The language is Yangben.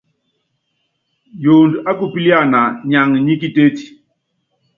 Yoondo ákupíliana niaŋa nḭ kitétí.